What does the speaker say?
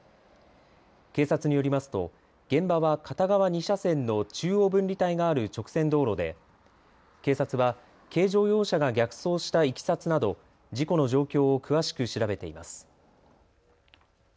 警察によりますと現場は片側２車線の中央分離帯のある直線道路で警察は軽乗用車が逆走したいきさつなど事故の状況を詳しく調べています。